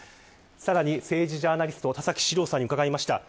さらに、政治ジャーナリスト田崎史郎さんに伺いました。